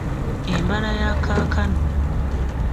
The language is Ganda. Embala ya kaakano